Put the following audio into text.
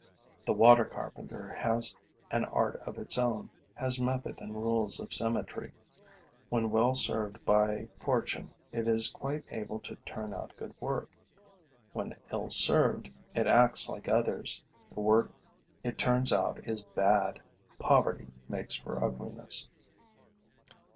The water carpenter has an art of its own, has method and rules of symmetry. When well served by fortune, it is quite able to turn out good work; when ill served, it acts like others: the work which it turns out is bad. Poverty makes for ugliness.